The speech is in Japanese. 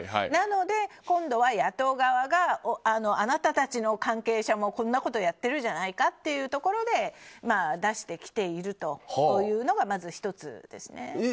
なので、今度は野党側があなたたちの関係者もこんなことやってるじゃないかというところで出してきているというのがまず１つですね。